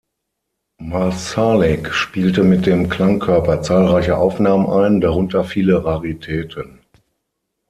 Marszalek spielte mit dem Klangkörper zahlreiche Aufnahmen ein, darunter viele Raritäten.